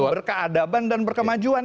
berkeadaban dan berkemajuan